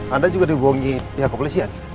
anda juga dihubungi pihak kepolisian